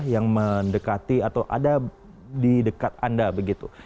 yang mendekati atau ada di dekat anda begitu